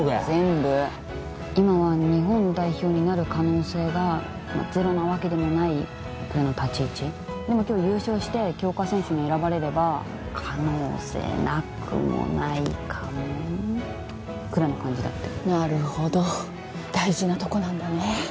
全部今は日本代表になる可能性がゼロなわけでもないぐらいの立ち位置でも今日優勝して強化選手に選ばれれば可能性なくもないかもくらいの感じだってなるほど大事なとこなんだね